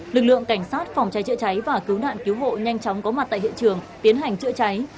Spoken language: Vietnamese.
lực lượng cảnh sát phòng cháy chữa cháy và cứu nạn cứu hộ nhanh chóng có mặt tại hiện trường tiến hành chữa cháy